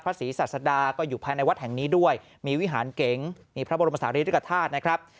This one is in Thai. พระศรีศาสดาก็อยู่ภายในวัดแห่งนี้ด้วยมีวิหารเก๋งมีพระบรมสาธาริย์ด้วยกับทาสนะครับ